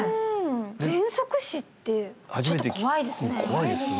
喘息死ってちょっと怖いですね